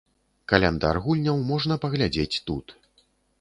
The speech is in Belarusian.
Каляндар гульняў можна паглядзець тут.